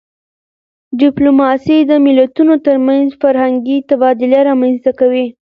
ډيپلوماسي د ملتونو ترمنځ فرهنګي تبادله رامنځته کوي.